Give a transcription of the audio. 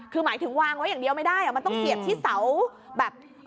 คือหมายถึงวางไว้อย่างเดียวไม่ได้มันต้องเสียบที่เสาแบบ